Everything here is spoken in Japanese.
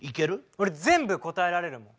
俺全部答えられるもん。